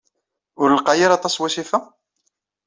Ur lqay ara aṭas wasif-a?